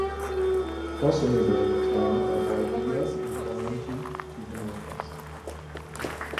Also neighbouring the town are Baldia and Orangi to the northwest.